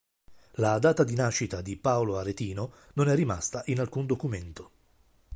La data di nascita di Paolo Aretino non è rimasta in alcun documento.